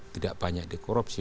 tidak banyak dikorupsi